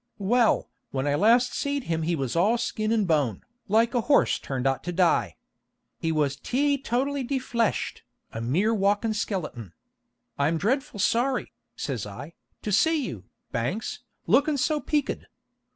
"Well, when I last seed him he was all skin and bone, like a horse turned out to die. He was teetotally defleshed, a mere walkin' skeleton. 'I am dreadful sorry,' says I, 'to see you, Banks, lookin' so peaked.